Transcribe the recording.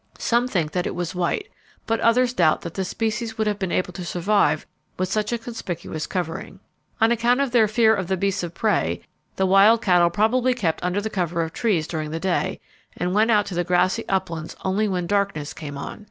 Some think that it was white, but others doubt that the species would have been able to survive with such a conspicuous covering. On account of their fear of the beasts of prey the wild cattle probably kept under cover of the trees during the day and went out to the grassy uplands only when darkness came on.